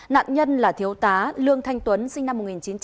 nạn nhân là thiếu tá lương thanh tuấn sinh năm một nghìn chín trăm tám mươi